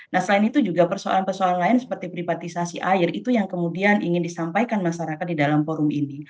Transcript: nah selain itu juga persoalan persoalan lain seperti pripatisasi air itu yang kemudian ingin disampaikan masyarakat di dalam forum ini